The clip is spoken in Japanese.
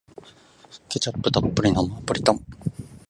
ケチャップたっぷりのナポリタン